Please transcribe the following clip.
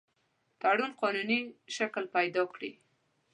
تړون قانوني شکل پیدا کړي.